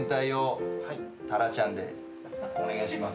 お願いします。